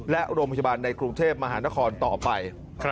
และโรงพยาบาลในกรุงเทพมหานครต่อไป